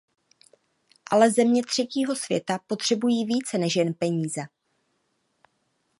Ale země třetího světa potřebují více než jen peníze.